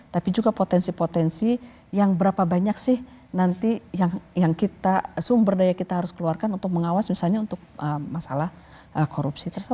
tapi juga potensi potensi yang berapa banyak sih nanti yang kita sumber daya kita harus keluarkan untuk mengawas misalnya untuk masalah korupsi tersebut